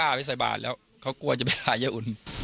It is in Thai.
ลุงพลบอกว่ามันก็เป็นการทำความเข้าใจกันมากกว่าเดี๋ยวลองฟังดูค่ะ